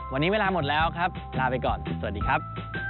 วันนี้เวลาหมดแล้วครับลาไปก่อนสวัสดีครับ